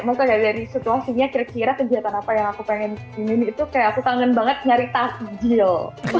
maksudnya dari situasinya kira kira kegiatan apa yang aku pengen ini itu kayak aku kangen banget nyari takjil